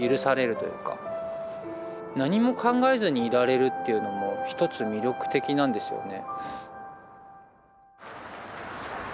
何も考えずにいられるっていうのも一つ魅力的なんですよね。